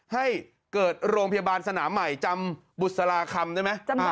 ให้เกิดโรงพยาบาลสนามใหม่จำบุษราคำได้ไหม